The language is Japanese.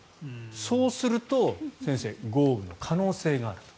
そうすると、先生豪雨の可能性があると。